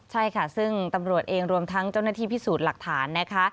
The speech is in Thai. ใช่ค่ะซึ่งตำรวจเองรวมทั้งเจ้าหน้าที่พิสูจน์หลักฐานนะคะ